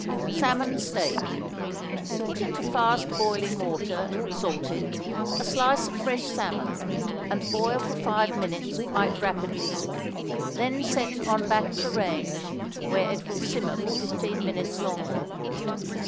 =Salmon Steak.= Put into fast boiling water, salted, a slice of fresh salmon, and boil for five minutes quite rapidly; then set on back of the range where it will simmer for fifteen minutes longer.